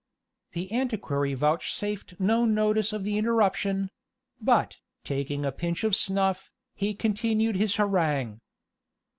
The antiquary vouchsafed no notice of the interruption; but, taking a pinch of snuff, continued his harangue.